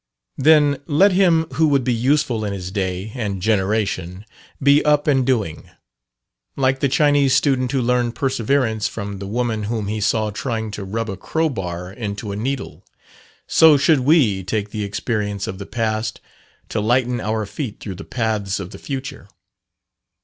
Then let him who would be useful in his day and generation be up and doing. Like the Chinese student who learned perseverance from the woman whom he saw trying to rub a crow bar into a needle, so should we take the experience of the past to lighten our feet through the paths of the future.